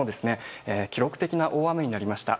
記録的な大雨になりました。